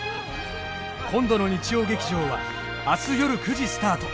今度の日曜劇場は明日よる９時スタート